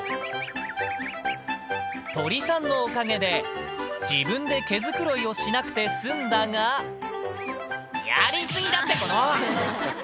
鳥さんのおかげで、自分で毛繕いをしなくて済んだが、やり過ぎだって、この！